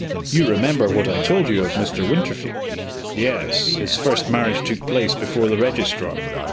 You remember what I told you of Mr. Winterfield?" "Yes. His first marriage took place before the registrar."